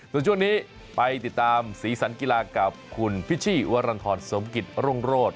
ส่วนช่วงนี้ไปติดตามสีสันกีฬากับคุณพิชชี่วรรณฑรสมกิจรุ่งโรธ